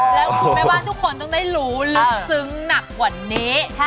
และผมมีมีทุกคนต้องได้รู้รึขศึกหนักกว่าหนี้